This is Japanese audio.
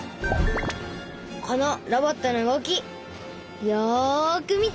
このロボットの動きよく見て。